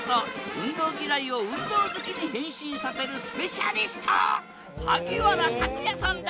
運動ぎらいを運動好きに変身させるスペシャリスト萩原拓也さんだ！